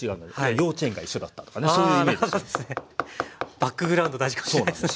バックグラウンド大事かもしれないですね。